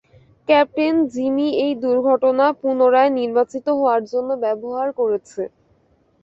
Captain, Jimmy এই দুর্ঘটনা পূণরায় নির্বাচিত হওয়ার জন্য ব্যবহার করছে।